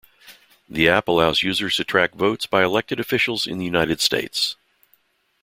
The app allows users to track votes by elected officials in the United States.